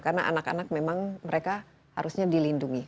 karena anak anak memang mereka harusnya dilindungi